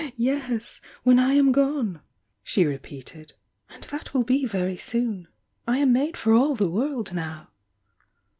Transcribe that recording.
"Yes— when I am gone!" she repeated, "and that will be very soon ! I am made for all the world now!"